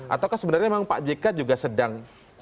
atau sebenarnya memang pak jk juga sedang